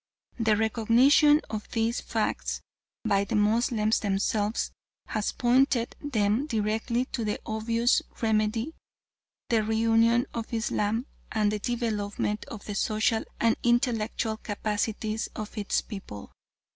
The recognition of these facts by the Moslems themselves has pointed them directly to the obvious remedy the reunion of Islam and the development of the social and intellectual capacities of its peoples.